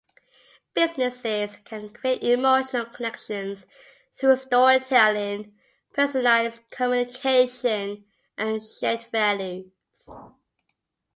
Businesses can create emotional connections through storytelling, personalized communication, and shared values.